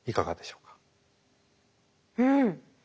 うん。